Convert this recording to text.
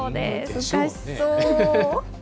難しそう。